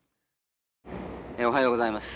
おはようございます。